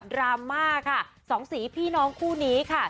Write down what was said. ราม่าค่ะสองสีพี่น้องคู่นี้ค่ะ